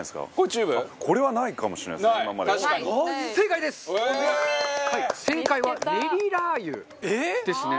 中丸：正解はねりラー油ですね。